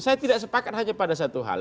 saya tidak sepakat hanya pada satu hal